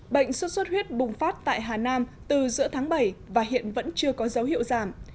bệnh sốt xuất huyết bùng phát tại hà nam từ giữa tháng bảy và hiện vẫn chưa có dấu hiệu giảm